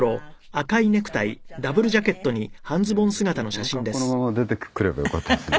今日この格好のまま出てくればよかったですね。